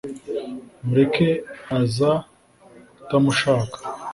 mureke aza utamushaka